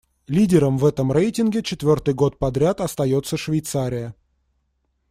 Лидером в этом рейтинге четвёртый год подряд остаётся Швейцария.